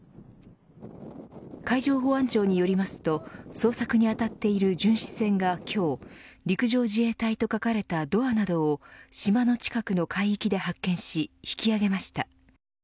海上保安庁によりますと捜索に当たっている巡視船が今日、陸上自衛隊と書かれたドアなどを島の近くの海域で発見し引き揚げました。